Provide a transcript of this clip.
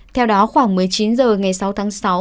theo đó khoảng một mươi chín h ngày sáu tháng sáu